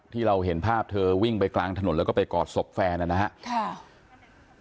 ที่เราเห็นภาพเธอวิ่งไปกลางถนนแล้วก็ไปกอดศพแฟนนะครับ